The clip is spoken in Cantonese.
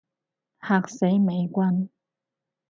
嚇死美軍